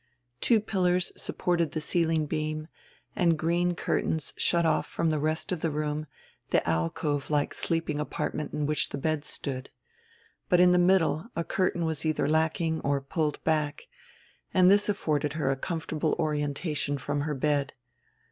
Two pillars supported the ceiling beam, and green curtains shut off from the rest of the room the alcove like sleeping apartment in which the beds stood. But in the middle a curtain was either lacking or pulled back, and this afforded her a comfortable orienta tion from her bed.